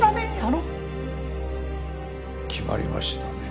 決まりましたね。